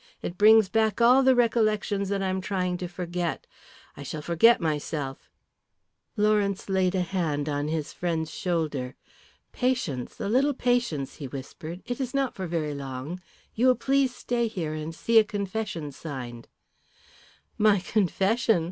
It brings back all the recollections that I am trying to forget. I shall forget myself " Lawrence laid a hand on his friend's shoulder. "Patience, a little patience," he whispered. "It is not for very long. You will please stay here and see a confession signed." "My confession!"